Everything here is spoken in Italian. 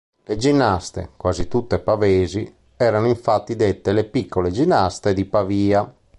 Le ginnaste, quasi tutte pavesi, erano infatti dette "le piccole ginnaste di Pavia".